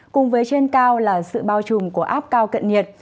cùng với trên cao là sự bao trùm của áp cao cận nhiệt